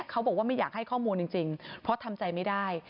เขาบอกว่าไม่อยากให้ข้อมูลจริงเพราะทำใจไม่ได้